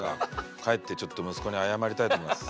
帰ってちょっと息子に謝りたいと思います。